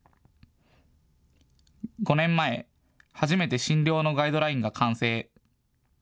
５年前、初めて診療のガイドラインが完成。